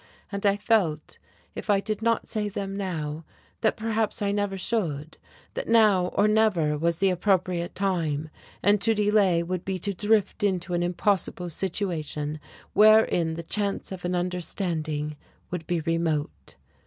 And I felt, if I did not say them now, that perhaps I never should: that now or never was the appropriate time, and to delay would be to drift into an impossible situation wherein the chance of an understanding would be remote.